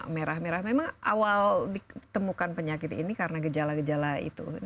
merah merah memang awal ditemukan penyakit ini karena gejala gejala itu